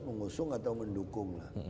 mengusung atau mendukung lah